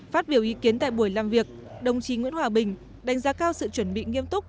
phát biểu ý kiến tại buổi làm việc đồng chí nguyễn hòa bình đánh giá cao sự chuẩn bị nghiêm túc